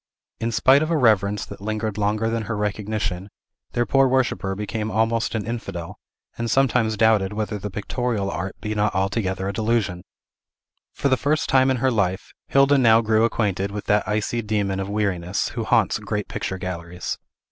In spite of a reverence that lingered longer than her recognition, their poor worshipper became almost an infidel, and sometimes doubted whether the pictorial art be not altogether a delusion. For the first time in her life, Hilda now grew acquainted with that icy demon of weariness, who haunts great picture galleries.